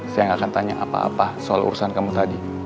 saya gak akan tanya apa apa soal urusan kamu tadi